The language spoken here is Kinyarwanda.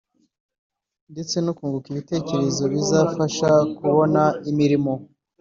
ndetse no kunguka ibitekerezo bizafasha kubona imirimo